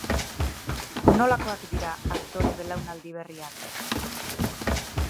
Nolakoak dira aktore belaunaldi berriak?